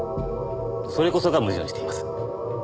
それこそが矛盾しています。